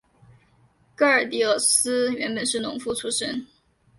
戈耳狄俄斯原本是农夫出身。